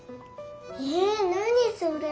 え何それ？